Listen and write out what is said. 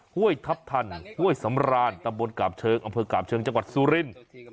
ห้วยทัพทันห้วยสำรานตำบลกาบเชิงอำเภอกาบเชิงจังหวัดสุรินทร์